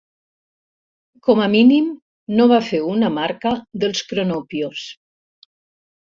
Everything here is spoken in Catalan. Com a mínim no va fer una marca dels cronopios.